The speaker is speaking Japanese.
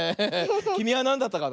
きみはなんだったかな？